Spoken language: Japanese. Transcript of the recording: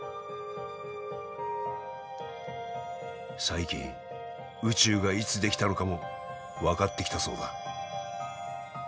最近宇宙がいつ出来たのかも分かってきたそうだ。